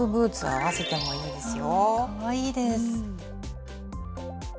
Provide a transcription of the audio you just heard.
かわいいです。